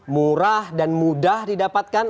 murah dan mudah didapatkan